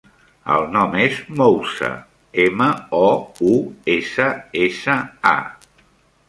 El nom és Moussa: ema, o, u, essa, essa, a.